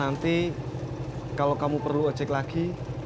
nanti kalau kamu perlu ojek lagi